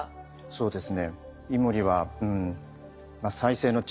そうです。